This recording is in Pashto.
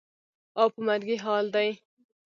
او په مرګي حال دى.